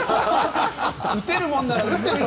打てるもんなら打って。